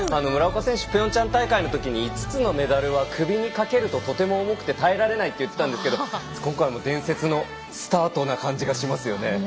村岡選手はピョンチャン大会のときに５つのメダルは首にかけるととても重くて耐えられないと言っていたんですけど今回も伝説のスタートな感じがしますよね。